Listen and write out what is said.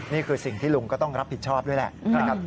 นี่คือสิ่งที่ลุงก็ต้องรับผิดชอบด้วยแหละนะครับ